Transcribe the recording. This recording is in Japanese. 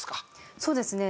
そうですね。